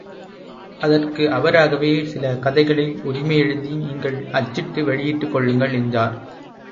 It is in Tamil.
அதற்கு அவராகவே சில கதைகளை உரிமை எழுதி நீங்கள் அச்சிட்டு வெளியிட்டுக் கொள்ளுங்கள் என்றார்.